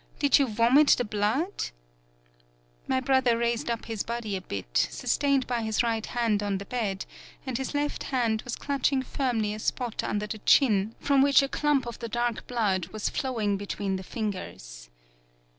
Did you vomit the blood?' My brother raised up his body a bit, sustained by his right hand on the bed, and his left hand was clutching firmly a spot under 24 TAKASE BUNE the chin, from which a clump of the dark blood was flowing between the fingers.